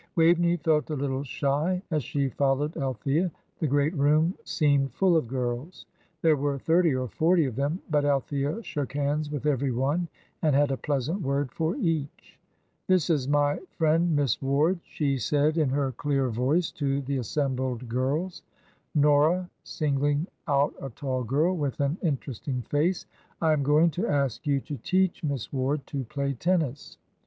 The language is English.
Waveney felt a little shy as she followed Althea. The great room seemed full of girls. There were thirty or forty of them, but Althea shook hands with every one, and had a pleasant word for each. "This is my friend, Miss Ward," she said, in her clear voice, to the assembled girls. "Nora," singling out a tall girl, with an interesting face, "I am going to ask you to teach Miss Ward to play tennis.